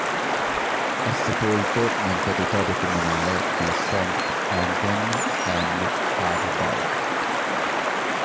È sepolto nel territorio comunale di Sankt Anton am Arlberg.